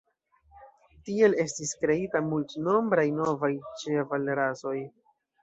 Tiel estis kreitaj multnombraj novaj ĉevalrasoj.